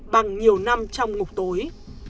bằng nhiều năm trong ngục tối